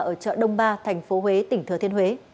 ở chợ đông ba thành phố huế tỉnh thừa thiên huế